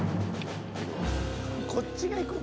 こっちが行くん？